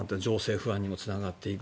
不安にもつながっていく。